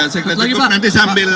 saya kira cukup nanti sambil